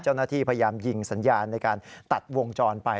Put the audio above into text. เจ้าหน้าที่พยายามยิงสัญญาณในการตัดวงจรไป